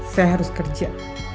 saya harus kerja